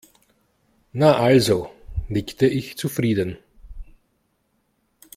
Na also, nickte ich zufrieden.